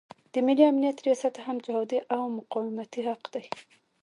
د ملي امنیت ریاست هم جهادي او مقاومتي حق دی.